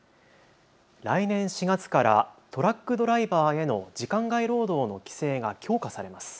来年４月からトラックドライバーへの時間外労働の規制が強化されます。